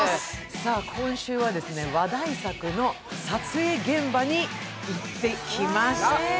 今週は話題作の撮影現場に行ってきました。